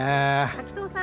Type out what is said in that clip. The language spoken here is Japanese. ・滝藤さん